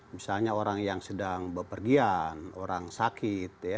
misalnya orang yang sedang berpergian orang sakit